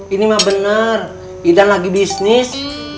ini mah benar kita lagi bisnis